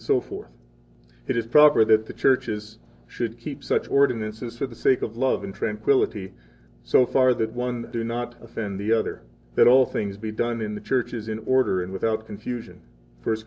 55 It is proper that the churches should keep such ordinances for the sake of love and tranquillity, so far that one do not offend another, that all things be done in the churches in order, and without confusion, 1 Cor.